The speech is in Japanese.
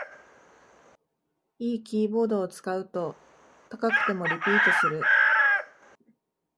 良いキーボードを使うと高くてもリピートする